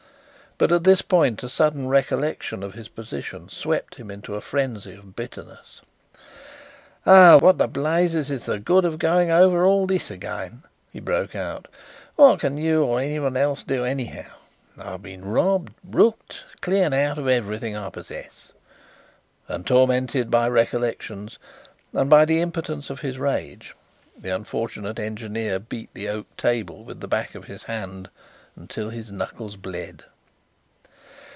But at this point a sudden recollection of his position swept him into a frenzy of bitterness. "Oh, what the blazes is the good of going over all this again!" he broke out. "What can you or anyone else do anyhow? I've been robbed, rooked, cleared out of everything I possess," and tormented by recollections and by the impotence of his rage the unfortunate engineer beat the oak table with the back of his hand until his knuckles bled.